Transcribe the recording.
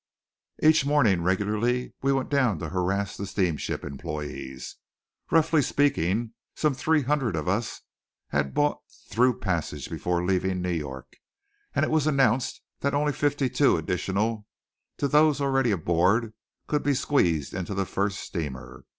Each morning regularly we went down to harass the steamship employees. Roughly speaking some three hundred of us had bought through passage before leaving New York: and it was announced that only fifty two additional to those already aboard could be squeezed into the first steamer.